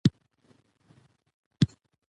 د خلکو ګډون د بدلون لامل دی